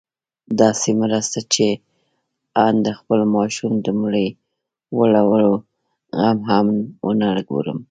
داسې مرسته چې آن د خپل ماشوم د مړي وړلو غم هم ونه ګورم.